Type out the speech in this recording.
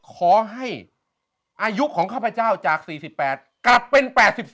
ขอให้อายุของข้าพเจ้าจาก๔๘กลับเป็น๘๒